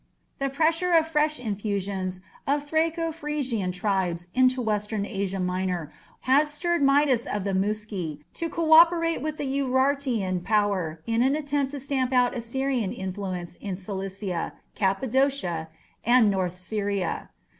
The pressure of fresh infusions of Thraco Phrygian tribes into western Asia Minor had stirred Midas of the Muski to co operate with the Urartian power in an attempt to stamp out Assyrian influence in Cilicia, Cappadocia, and north Syria.